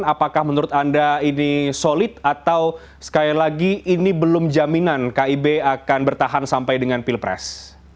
apakah menurut anda ini solid atau sekali lagi ini belum jaminan kib akan bertahan sampai dengan pilpres